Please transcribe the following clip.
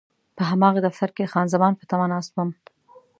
په هماغه دفتر کې د خان زمان په تمه ناست وم.